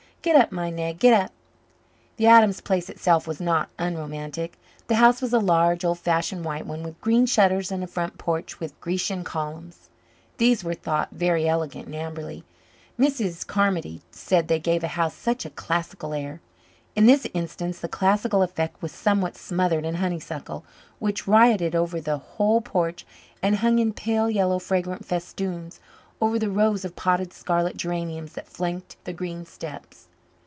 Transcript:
Get up, my nag, get up." The Adams place itself was not unromantic. The house was a large, old fashioned white one, with green shutters and a front porch with Grecian columns. These were thought very elegant in Amberley. Mrs. Carmody said they gave a house such a classical air. In this instance the classical effect was somewhat smothered in honeysuckle, which rioted over the whole porch and hung in pale yellow, fragrant festoons over the rows of potted scarlet geraniums that flanked the green steps.